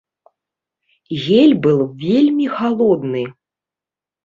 Гель быў вельмі халодны.